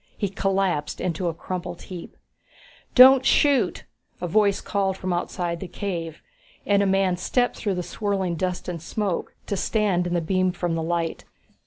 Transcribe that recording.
He collapsed into a crumpled heap. "Don't shoot," a voice called from outside the cave, and a man stepped through the swirling dust and smoke to stand in the beam from the light.